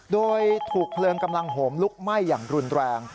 โดยถูกเพลิงกำลังโหมลุกไหม้อย่างรุนแรง